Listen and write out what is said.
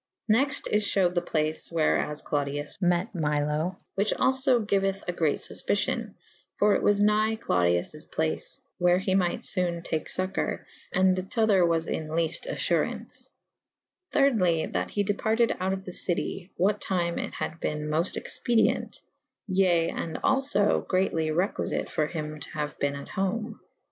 Next is fhewed the place where as Clodius mete^ Milo / which alfo giueth a great fufpicion / for it was nygh Clodiwj place / where he myght fone take focour /& the tother was in lefte"* alTurauwce. Thyrdly that he departed out of the city / what time it had bene mofte expedi ent / ye and alfo [D vii a] greatly requifite for hym to haue bene at home.